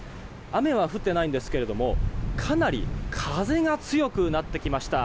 雨は降っていないんですけどもかなり風が強くなってきました。